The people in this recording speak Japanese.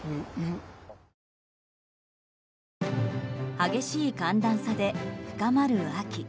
激しい寒暖差で深まる秋。